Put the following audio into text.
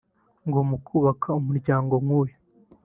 ngo mu kubaka umuryango nk’uyu